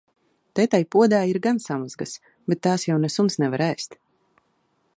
Te tai podā ir gan samazgas, bet tās jau ne suns nevar ēst.